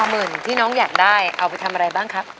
หมื่นที่น้องอยากได้เอาไปทำอะไรบ้างครับ